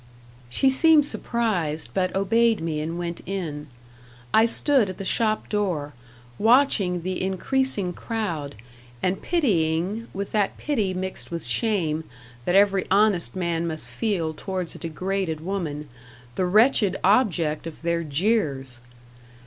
She seemed surprised, but obeyed me and went in. I stood at the shop door, watching the increasing crowd, and pitying, with that pity mixed with shame that every honest man must feel towards a degraded woman, the wretched object of their jeers.